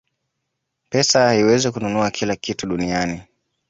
pesa haiwezi kununua kila kitu duniani